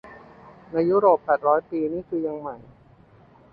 ในยุโรปแปดร้อยปีนี่คือยังใหม่